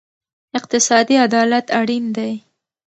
اقتصادي عدالت اړین دی.